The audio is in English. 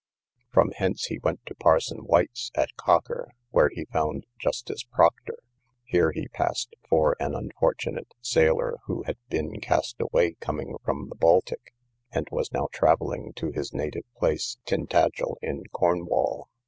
From hence he went to parson White's, at Cocker, where he found Justice Proctor: here he passed for an unfortunate sailor, who had been cast away coming from the Baltic, and was now travelling to his native place, Tintagel, in Cornwall.